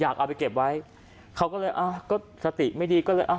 เอาไปเก็บไว้เขาก็เลยอ่ะก็สติไม่ดีก็เลยอ่ะ